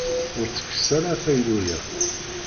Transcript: Ur ttekkes ara afaylu-ya.